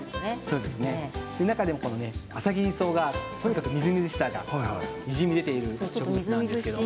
中でもアサギリソウがとにかくみずみずしさがにじみ出ている植物なんですけれど。